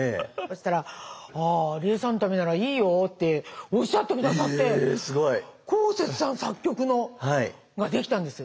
そしたら「あ理恵さんのためならいいよ」っておっしゃって下さってこうせつさん作曲のができたんです。